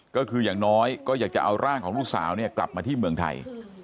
ก็คืออย่างน้อยก็อยากจะเอาร่างของลูกสาวเนี่ยกลับมาที่เมืองไทย